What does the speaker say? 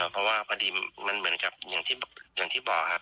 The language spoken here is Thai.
เพราะว่าพอดีมันเหมือนกับอย่างที่บอกครับ